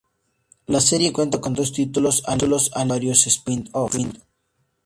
La serie cuenta con dos títulos, al igual que varios spin-offs.